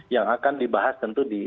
yang akan dibahas tentu